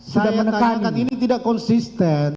saya menanyakan ini tidak konsisten